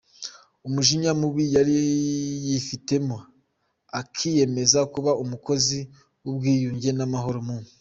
umujinya mubi yari yifitemo, akiyemeza kuba umukozi wubwiyunge namahoro mu.